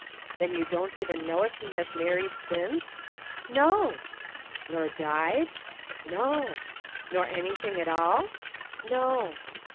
"Then you don't even know if he has married since?" "No!" "Nor died?" "No." "Nor anything at all?" "No."